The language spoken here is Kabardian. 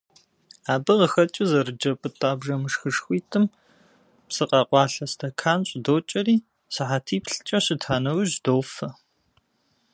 Абы къыхэкӏыу, зэрыджэ пӏытӏа бжэмышхышхуитӏым псы къэкъуалъэ стэкан щӏыдокӏэри, сыхьэтиплӏкӏэ щыта нэужь, дофэ.